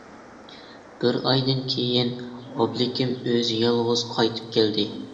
بىر ئايدىن كېيىن ئابلىكىم ئۆزى يالغۇز قايتىپ كەلدى.